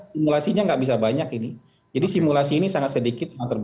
simulasinya nggak bisa banyak ini jadi simulasi ini sangat sedikit sangat terbatas